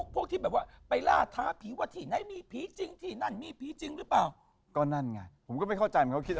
พวกที่แบบว่าไปล่าท้าผีว่าที่ไหนมีผิ้จริงพี่